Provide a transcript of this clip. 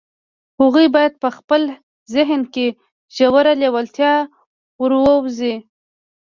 هغوی بايد په خپل ذهن کې ژوره لېوالتیا وروزي.